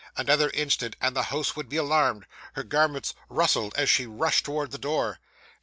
Another instant and the house would be alarmed. Her garments rustled as she rushed towards the door.